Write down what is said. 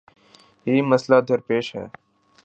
یہی مسئلہ درپیش ہے۔